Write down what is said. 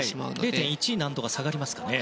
０．１難度が下がりますかね。